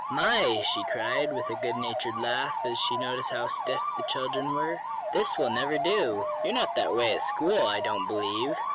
"My!" she cried, with a goodnatured laugh, as she noticed how "stiff" the children were. "This will never do. You're not that way at school, I don't believe.